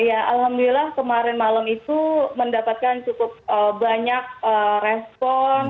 alhamdulillah kemarin malam itu mendapatkan cukup banyak respon